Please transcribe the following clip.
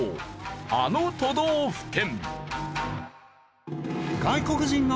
あの都道府県。